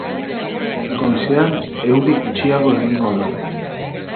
Goizean euri gutxiago egingo du.